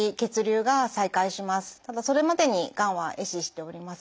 ただそれまでにがんは壊死しております。